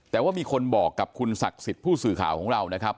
แต่ว่ามีคนบอกกับคุณศักดิ์สิทธิ์ผู้สื่อข่าวของเรานะครับ